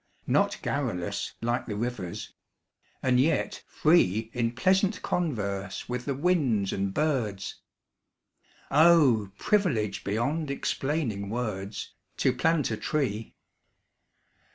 Not garrulous like the rivers; and yet free In pleasant converse with the winds and birds; Oh! privilege beyond explaining words, To plant a tree.